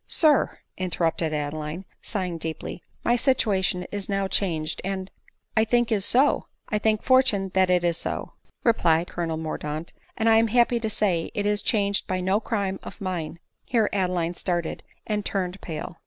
•" Sir !" interrupted Adeline, sighing deeply, " my sit uation is now changed ; and "" It is so, I thank fortune that it is so," replied colonel Mordaunt ;" and I am happy to say, it is changed by • no crime of mine." (Here Adeline started and turned pale.)